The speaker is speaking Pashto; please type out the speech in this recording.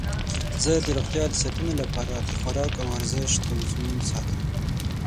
زه د روغتیا د ساتنې لپاره د خواراک او ورزش توازن ساتم.